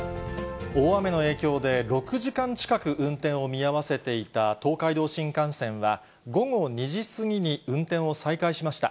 大雨の影響で、６時間近く運転を見合わせていた東海道新幹線は、午後２時過ぎに運転を再開しました。